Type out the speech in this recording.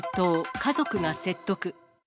家族が説得。